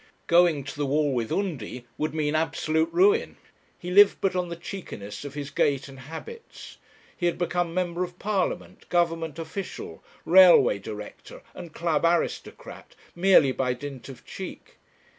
Going to the wall with Undy would mean absolute ruin; he lived but on the cheekiness of his gait and habits; he had become member of Parliament, Government official, railway director, and club aristocrat, merely by dint of cheek.